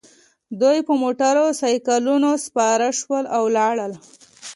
دوی په موټرسایکلونو سپاره شول او لاړل